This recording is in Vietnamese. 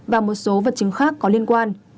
và một số vật chứng khác có liên quan